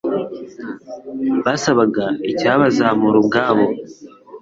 basabaga icyabazamura ubwabo